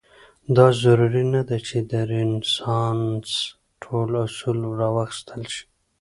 دا ضرور نه ده چې د رنسانس ټول اصول راواخیستل شي.